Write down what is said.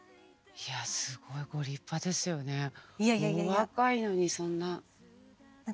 お若いのにそんな。